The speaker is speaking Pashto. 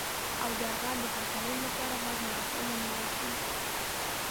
او د هغه د هرکلي لپاره باید مراسم ونه نیول شي.